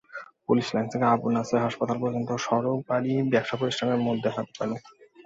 Police lines থেকে আবু নাসের হাসপাতাল পর্যন্ত সড়ক, বাড়ি, ব্যবসাপ্রতিষ্ঠানের মধ্যে হাঁটুপানি।